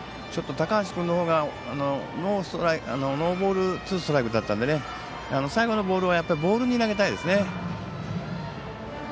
高橋君の方がノーボールツーストライクだったので最後のボールはやっぱりボールに投げたいですね。